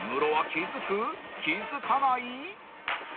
気付かない？］